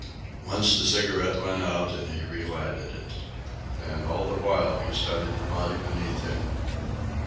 Once the cigarette went out and he relighted it. And all the while he studied the body beneath him.